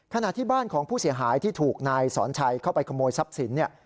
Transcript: ขณะที่บ้านของผู้เสียหายที่ถูกนายสอนชัยเข้าไปขโมยทรัพย์สินเนี่ย